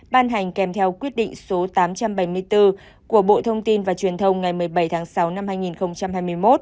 ban hành kèm theo quyết định số tám trăm bảy mươi bốn của bộ thông tin và truyền thông ngày một mươi bảy tháng sáu năm hai nghìn hai mươi một